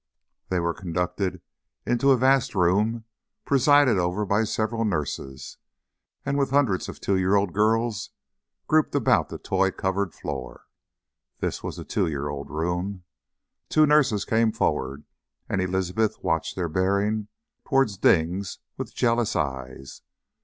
They were conducted into a vast room presided over by several nurses and with hundreds of two year old girls grouped about the toy covered floor. This was the Two year old Room. Two nurses came forward, and Elizabeth watched their bearing towards Dings with jealous eyes.